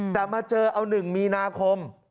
แต่มาเจอเอา๑มีนาคม